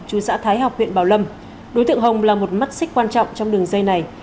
chú xã thái học huyện bảo lâm đối tượng hồng là một mắt xích quan trọng trong đường dây này